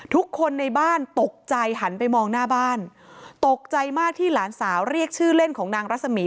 ทุกคนในบ้านตกใจหันไปมองหน้าบ้านตกใจมากที่หลานสาวเรียกชื่อเล่นของนางรัศมี